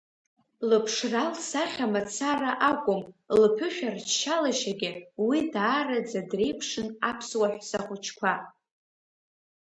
Лыԥшра-лсахьа мацара акәым, лԥышәарччалашьагьы уи даарӡа дреиԥшын аԥсуа ҳәса хәыҷқәа.